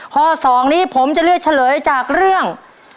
ข้อ๒นี้ผมจะเลือกเฉลยจากเรื่อง